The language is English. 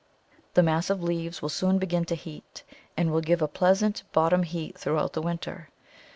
The mass of leaves will soon begin to heat, and will give a pleasant bottom heat throughout the winter.